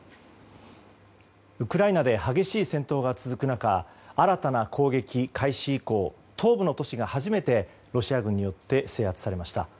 ウクライナで激しい戦闘が続く中新たな攻撃開始以降東部の都市が初めて、ロシア軍によって制圧されました。